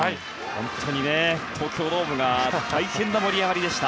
本当に東京ドームが大変な盛り上がりでした。